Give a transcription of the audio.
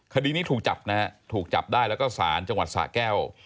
คดีนี้ถูกจับนะฮะถูกจับได้แล้วก็สารจังหวัดสะแก้ว